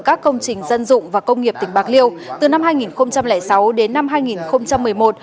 các công trình dân dụng và công nghiệp tỉnh bạc liêu từ năm hai nghìn sáu đến năm hai nghìn một mươi một